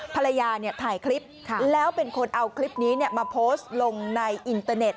ภรรยาถ่ายคลิปแล้วเป็นคนเอาคลิปนี้มาโพสต์ลงในอินเตอร์เน็ต